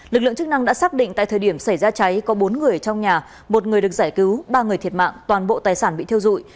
lực lượng chức năng đã xác định tại thời điểm xảy ra cháy có bốn người trong nhà một người được giải cứu ba người thiệt mạng toàn bộ tài sản bị thiêu dụi